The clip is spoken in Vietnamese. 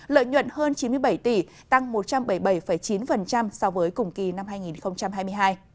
lợi nhuận hơn chín mươi bảy tỷ tăng một trăm bảy mươi bảy chín so với cùng kỳ năm hai nghìn hai mươi hai